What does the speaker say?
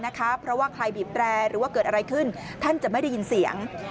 เพราะว่าใครบีบแตรหรือว่าเกิดอะไรขึ้นท่านจะไม่ได้ยินเสียง